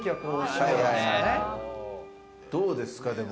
どうですか、でも。